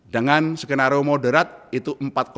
dengan skenario moderat itu empat